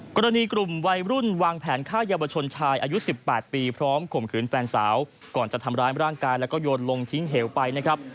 กรณีกลุ่มวัยรุ่นวางแผนฆ่าเยาวชนชายอายุ๑๘ปีพร้อมข่มขืนแฟนสาวก่อนจะทำร้ายร่างกายแล้วก็โยนลงทิ้งเหวไปนะครับ